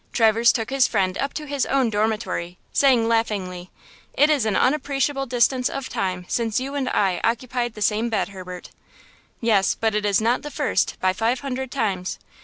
Traverse took his friend up to his own dormitory, saying, laughingly: "It is an unappreciable distance of time since you and I occupied the same bed, Herbert." "Yes; but it is not the first, by five hundred times.